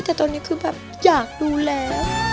แต่ตอนนี้คือแบบอยากดูแล้ว